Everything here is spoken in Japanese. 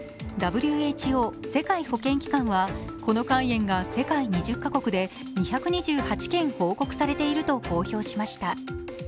ＷＨＯ＝世界保健機関は、この肝炎が世界２０カ国で２２８件報告されていると公表しました。